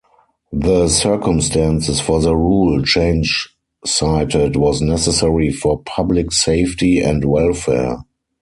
The circumstances for the rule change cited was necessary for public safety and welfare.